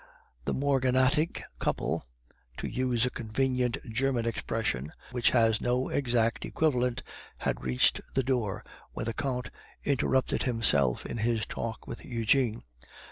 The morganatic couple (to use a convenient German expression which has no exact equivalent) had reached the door, when the Count interrupted himself in his talk with Eugene.